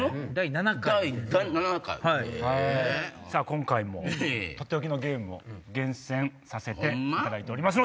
今回もとっておきのゲームを厳選させていただいております。